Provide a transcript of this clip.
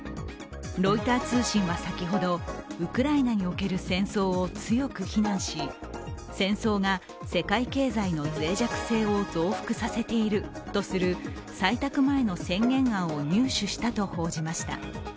ロイター通信は先ほどウクライナにおける戦争を強く非難し戦争が世界経済のぜい弱性を増幅させているとする採択前の宣言案を入手したと報じました。